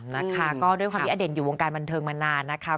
นะคะก็ด้วยความที่อเด่นอยู่วงการบันเทิงมานานนะคะ